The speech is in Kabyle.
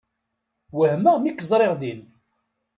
Wehmeɣ mi k-ẓriɣ din.